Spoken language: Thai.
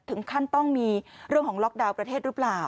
ถึงขั้นต้องมีเรื่องของล็อกดาวน์ประเทศหรือเปล่า